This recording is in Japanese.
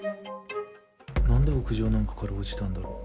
何で屋上なんかから落ちたんだろ？